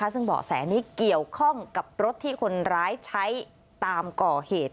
ซึ่งเบาะแสนี้เกี่ยวข้องกับรถที่คนร้ายใช้ตามก่อเหตุ